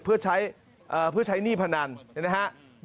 เพื่อใช้หนี้พนันนะครับ